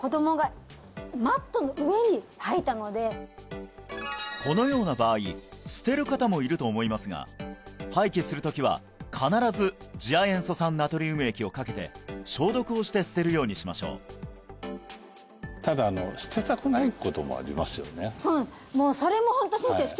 いや私はもうこのような場合捨てる方もいると思いますが廃棄する時は必ず次亜塩素酸ナトリウム液をかけて消毒をして捨てるようにしましょうただ捨てたくないこともありますよね？